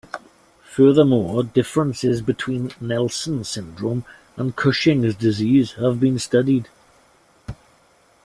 Furthermore, differences between Nelson syndrome and Cushing's disease have been studied.